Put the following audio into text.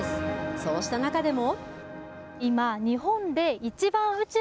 そうした中でも。